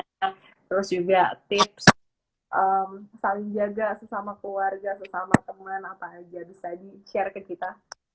terus juga tips saling jaga sesama keluarga sesama teman apa aja bisa di share ke kita